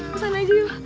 kesana aja yuk